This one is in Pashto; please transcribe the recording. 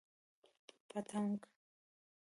🦋 پتنګ